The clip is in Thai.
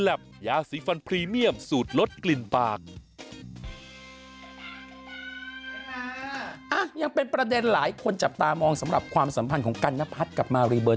ยังเป็นประเด็นหลายคนจับตามองสำหรับความสัมพันธ์ของกันนพัฒน์กับมารีเบิร์